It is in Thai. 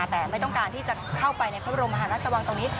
แต่ไม่ต้องการที่จะเข้าไปในโรงพยาบาลวัฒนาจวังตรงนี้